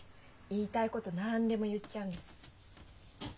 言いたいこと何でも言っちゃうんです。